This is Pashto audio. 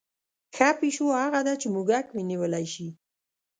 ښه پیشو هغه ده چې موږک ونیولی شي.